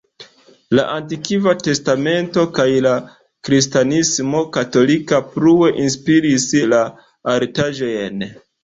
La Antikva Testamento kaj la kristanismo katolika plue inspiris la artaĵojn.